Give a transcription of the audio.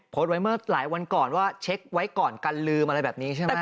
โพสต์ไว้เมื่อหลายวันก่อนว่าเช็คไว้ก่อนกันลืมอะไรแบบนี้ใช่ไหม